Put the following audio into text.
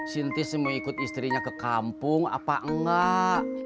sintis mau ikut istrinya ke kampung apa enggak